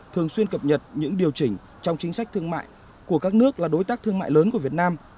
thường xuyên cập nhật những điều chỉnh trong chính sách thương mại của các nước là đối tác thương mại lớn của việt nam